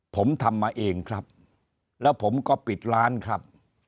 ผมทำมาเองครับแล้วผมก็ปิดร้านครับ